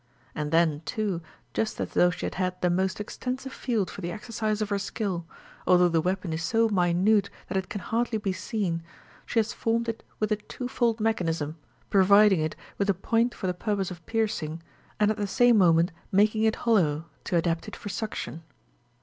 And then too, just as though she had had the most extensive field for the exercise of her skill, although the weapon is so minute that it can hardly be seen, she has formed it with a twofold mechanism, providing it with a point for the purpose of piercing, and at the same moment making it hollow, to adapt it for suction.